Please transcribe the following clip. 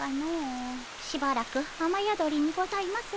しばらく雨宿りにございますねえ。